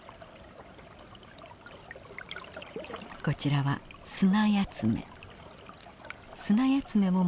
こちらはスナヤツメ。